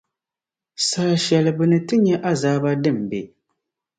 saha shɛli bɛ ni ti nya azaaba din be.